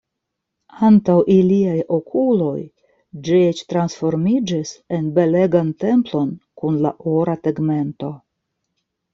Antaŭ iliaj okuloj ĝi eĉ transformiĝis en belegan templon kun la ora tegmento.